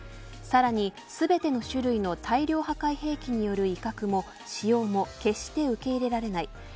さらに全ての種類の大量破壊兵器による威嚇も使用も決して受け入れられない。